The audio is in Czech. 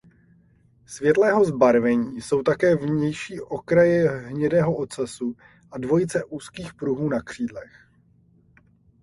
Světlého zbarvení jsou také vnější okraje hnědého ocasu a dvojice úzkých pruhů na křídlech.